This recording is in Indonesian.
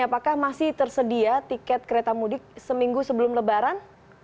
apakah masih tersedia tiket kereta mudik seminggu sebelum lebaran